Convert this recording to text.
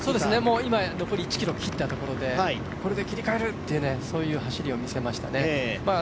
今、残り１ｋｍ切ったところで、これで切り替える、そういう走りを見せましたね。